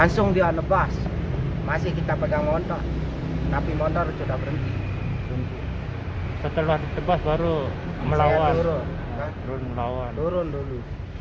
saya turun turun dulu